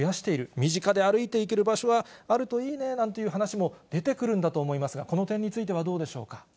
身近で歩いて行ける場所があるといいねなんていう話も出てくるんだと思いますが、この点についてはどうでしょうか。